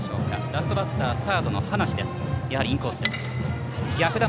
ラストバッター、サードの端無。